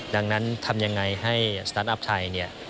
ดังนั้นทำอย่างไรให้สตาร์ทอัพไทย